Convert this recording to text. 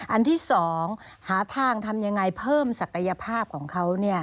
อันที่๒หาทางทำยังไงเพิ่มศักยภาพของเขา